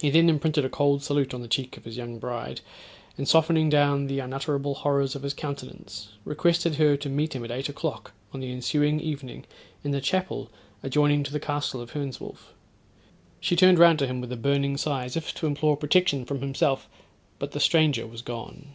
He then imprinted a cold salute on the cheek of his young bride, and softening down the unutterable horrors of his countenance, requested her to meet him at eight o'clock on the ensuing evening in the chapel adjoining to the castle of Hernswolf. She turned round to him with a burning sigh, as if to implore protection from himself, but the stranger was gone.